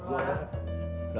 buat gua deh